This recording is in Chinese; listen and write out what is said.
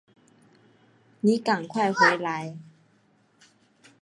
妳赶快回来